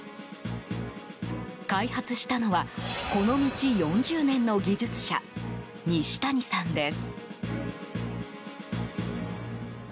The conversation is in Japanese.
開発したのはこの道４０年の技術者西谷さんです。